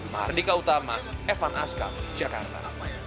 mahardika utama evan askam jakarta